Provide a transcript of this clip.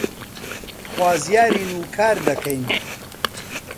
خوازیارین و کار دەکەین